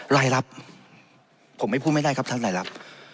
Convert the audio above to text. รายรับผมไม่พูดไม่ได้ครับท่านนายลับ